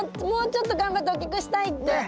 もうちょっと頑張って大きくしたいって。